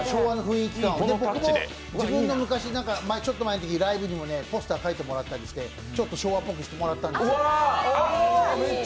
僕も自分の昔、ちょっとライブのときもポスター描いてもらったりして昭和っぽくしてもらったんですよ。